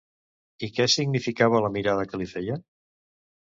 I què significava la mirada que li feia?